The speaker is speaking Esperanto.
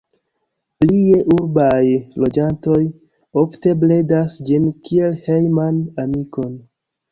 Plie urbaj loĝantoj ofte bredas ĝin kiel hejman amikon.